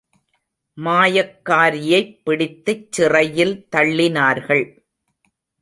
மாயக்காரியைப் பிடித்துச் சிறையில் தள்ளினார்கள்.